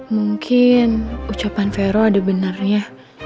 mungkin ucapan vero ada benarnya